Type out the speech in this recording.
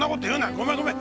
ごめんごめん！